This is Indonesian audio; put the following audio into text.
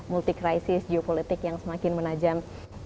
multi krisis geopolitik yang semakin menajam